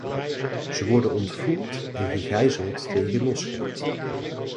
Ze worden ontvoerd en gegijzeld tegen losgeld.